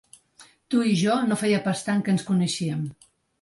Tu i jo no feia pas tant que ens coneixíem.